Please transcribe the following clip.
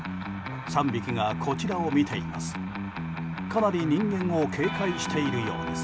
３匹がこちらを見ています。